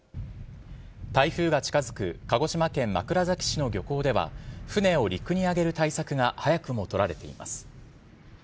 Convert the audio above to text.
台風が近づく鹿児島県枕崎市の漁港では、船を陸にあげる対策が早くも取られています。